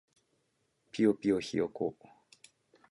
ぴよぴよひよこ